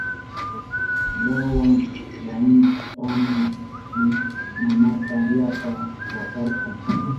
Wawan wañushpanmi mamanta yapa wakarka.